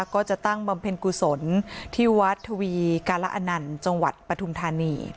ก็จะตั้งบำเพ็ญกุศลที่วัดทวีการะอนันต์จังหวัดปฐุมธานี